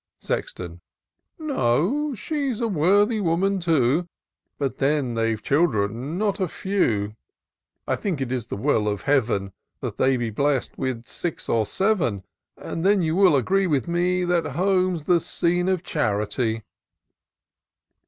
Sexton. " No :— she's a worthy woman too ; But then they've children not a few ; I think it is the will of Heav'n That they are bless'd with six or seven ; And then you will agree with me, That home's the scene of charity."